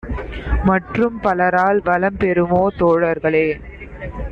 மற்றும் பலரால் வளம்பெறுமோ தோழர்களே!